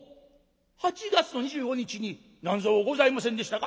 ８月の２５日に何ぞございませんでしたか？」。